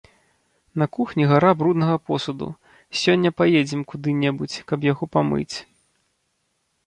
На кухні гара бруднага посуду, сёння паедзем куды-небудзь, каб яго памыць.